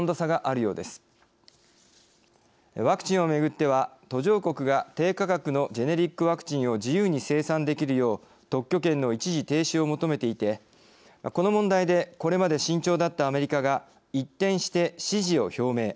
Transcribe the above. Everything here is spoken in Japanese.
ワクチンをめぐっては途上国が低価格のジェネリックワクチンを自由に生産できるよう特許権の一時停止を求めていてこの問題でこれまで慎重だったアメリカが一転して支持を表明。